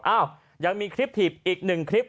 อ้าวยังมีคลิปถีบอีก๑คลิป